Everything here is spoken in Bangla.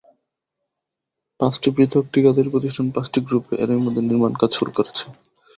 পাঁচটি পৃথক ঠিকাদারি প্রতিষ্ঠান পাঁচটি গ্রুপে এরই মধ্যে নির্মাণকাজ শুরু করেছে।